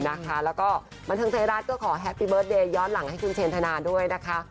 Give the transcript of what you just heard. แล้วก็บันเทิงไทยรัฐก็ขอแฮปปี้เบิร์ตเดย์ย้อนหลังให้คุณเชนธนาด้วยนะคะ